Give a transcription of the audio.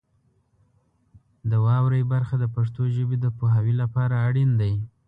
د واورئ برخه د پښتو ژبې د پوهاوي لپاره اړین دی.